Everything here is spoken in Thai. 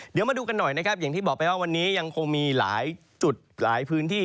เดี๋ยวมาดูกันหน่อยนะครับอย่างที่บอกไปว่าวันนี้ยังคงมีหลายจุดหลายพื้นที่